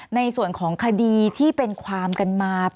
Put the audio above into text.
ในส่วนของคดีที่เป็นความกันมา